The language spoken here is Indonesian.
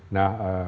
nah itu juga